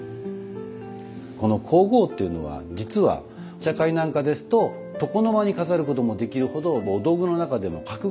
この香合っていうのは実はお茶会なんかですと床の間に飾ることもできるほどお道具の中での格が高いものになります。